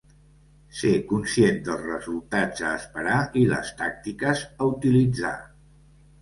Ser conscient dels resultats a esperar i les tàctiques a utilitzar.